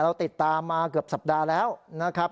เราติดตามมาเกือบสัปดาห์แล้วนะครับ